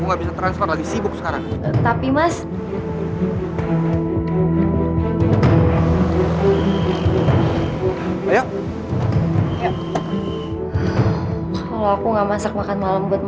mas maaf hari ini aku gak masak makan malam